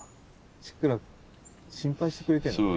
ちくら心配してくれてんだね。